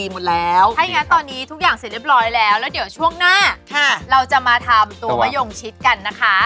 แม่บ้านพระจันทร์บ้าน